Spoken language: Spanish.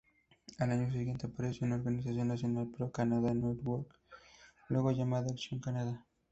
Al año siguiente apareció una organización nacional, Pro-Canadá Network, luego llamada Action Canada.